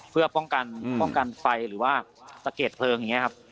เพื่อป้องกันป้องกันไฟหรือว่าสะเก็ดเพลิงอย่างนี้ครับ